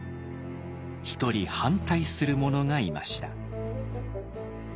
一人反対する者がいました。